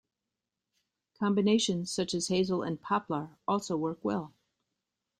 Combinations such as hazel and poplar also work well.